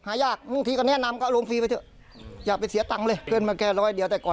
อะไรก็ขึ้นสีที่ต้องใช้ขึ้นอีก